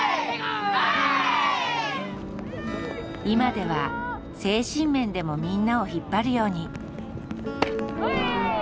今では精神面でもみんなを引っ張るように。